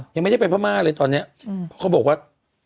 ยังไม่ได้เป็นเพราะมากเลยตอนเนี้ยเขาบอกว่า